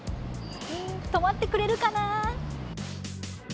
止まってくれるかな？